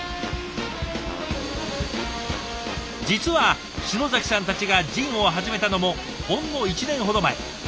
実は篠崎さんたちがジンを始めたのもほんの１年ほど前。